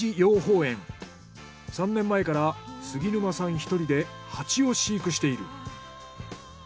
３年前から杉沼さん１人でハチを飼育している。